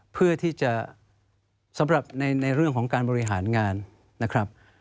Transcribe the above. เพื่อที่จะสำหรับในเรื่องของการบริหารงานนะครับ